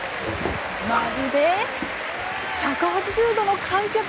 まるで１８０度の開脚。